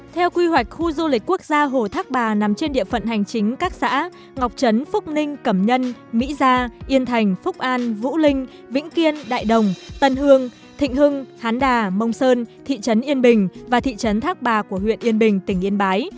theo quy hoạch khu du lịch quốc gia hồ thác bà nằm trên địa phận hành chính các xã ngọc trấn phúc ninh cẩm nhân mỹ gia yên thành phúc an vũ linh vĩnh kiên đại đồng tân hương thịnh hưng hán đà mông sơn thị trấn yên bình và thị trấn thác bà của huyện yên bình tỉnh yên bái